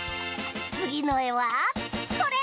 つぎのえはこれ！